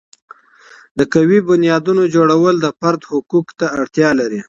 د قوي بنیادونو جوړول د فردي حقوقو ته اړتیا لري.